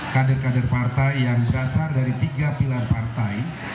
kader kader partai yang berasal dari tiga pilar partai